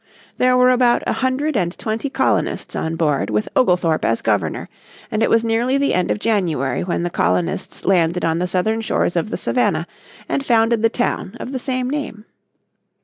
There were about a hundred and twenty colonists on board with Oglethorpe as Governor, and it was nearly the end of January when the colonists landed on the southern shores of the Savannah and founded the town of the same name.